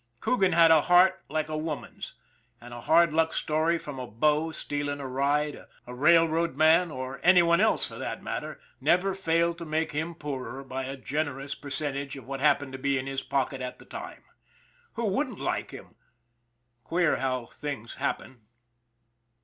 Coogan had a heart like a woman's, and a hard luck story from a 'bo stealing a ride, a railroad man, or any one else for that matter, never failed to make him poorer by a generous percent age of what happened to be in his pocket at the time. Who wouldn't like him! Queer how things happen.